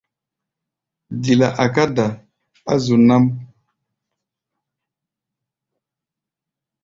Dila a̧ká̧ da̧ á zu nám.